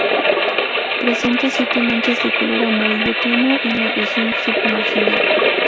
Presenta siete manchas de color amarillo tenue, en la región submarginal.